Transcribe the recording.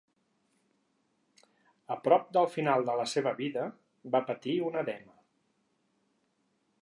A prop del final de la seva vida, va patir un edema.